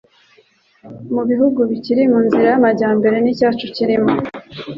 Mu bihugu bikiri mu nzira y'amajyambere n'icyacu kirimo,